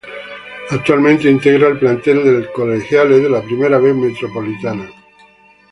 Actualmente integra el plantel del Colegiales, de la Primera B Metropolitana.